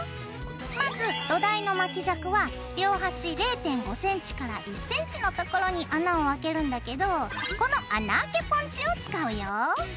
まず土台の巻き尺は両端０．５ｃｍから１ｃｍの所に穴を開けるんだけどこの穴あけポンチを使うよ。